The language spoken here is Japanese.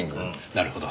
なるほど。